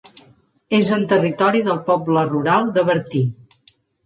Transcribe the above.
És en territori del poble rural de Bertí.